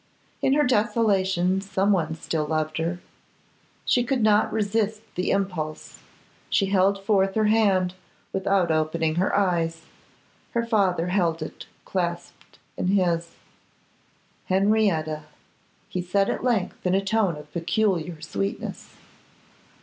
In her desolation some one still loved her. She could not resist the impulse; she held forth her hand without opening her eyes, her father held it clasped in his. 'Henrietta,' he at length said, in a tone of peculiar sweetness.